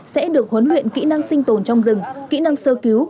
sẽ được huấn luyện kỹ năng sinh tồn trong rừng kỹ năng sơ cứu